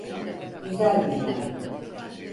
Güzel günlerdi.